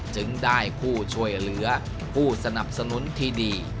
จึงได้ผู้ช่วยเหลือผู้สนับสนุนที่ดี